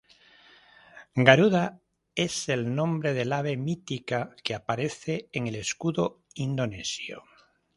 Garuda es el nombre del ave mítica que aparece en el escudo indonesio.